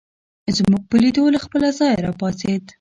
زموږ په لیدو له خپله ځایه راپاڅېد.